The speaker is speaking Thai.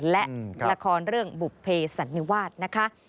และละครเรื่องบุภเพสันนิวาสนะคะ